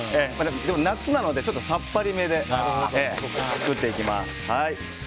でも、夏なのでちょっとさっぱりめで作っていきます。